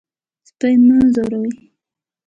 سپي مه ځوروئ.